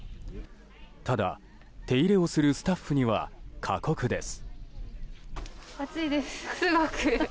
ただ、手入れをするスタッフには過酷です。